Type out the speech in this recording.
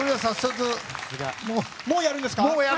もうやるんですか？